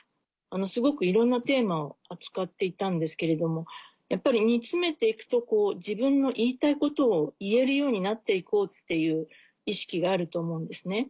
すごくいろんなテーマを扱っていたんですけれどもやっぱり煮詰めて行くとこう自分の言いたいことを言えるようになって行こうって意識があると思うんですね。